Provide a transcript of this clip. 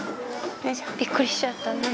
びっくりしちゃったね。